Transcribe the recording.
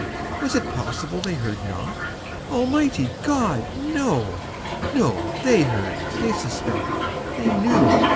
Was it possible they heard not? Almighty God!—no, no! They heard!—they suspected!—they knew!